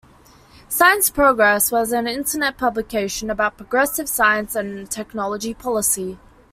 Science Progress was an internet publication about progressive science and technology policy.